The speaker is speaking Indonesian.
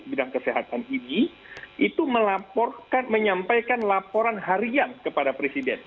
bidang kesehatan ini itu melaporkan menyampaikan laporan harian kepada presiden